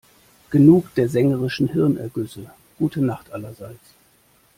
Genug der sängerischen Hirnergüsse - gute Nacht, allerseits.